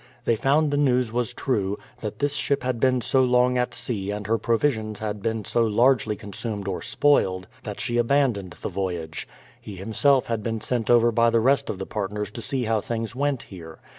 They found the news was true, that this ship had been so long at sea and her provisions had been 218 BRADFORD'S HISTORY OF so largely consumed or spoiled, that she abandoned the voyage. He himself had 'been sent over by the rest of the partners to see how things went here.